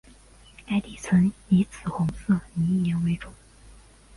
该地层以紫红色泥岩为主。